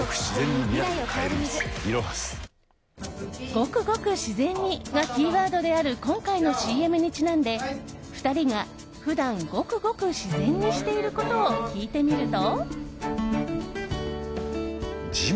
「ごくごく自然に」がキーワードである今回のＣＭにちなんで２人が普段、ごくごく自然にしていることを聞いてみると。